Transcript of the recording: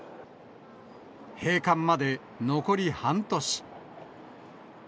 閉館まで残り半年。